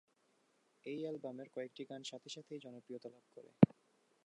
এই অ্যালবামের কয়েকটি গান সাথে সাথেই জনপ্রিয়তা লাভ করে।